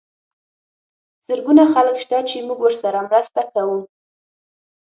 زرګونه خلک شته چې موږ ورسره مرسته کوو.